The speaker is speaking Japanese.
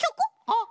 あっ。